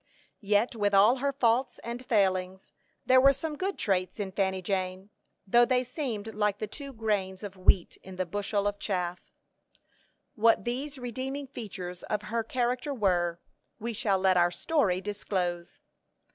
Yet with all her faults and failings, there were some good traits in Fanny Jane, though they seemed like the two grains of wheat in the bushel of chaff. What these redeeming features of her character were, we shall let our story disclose.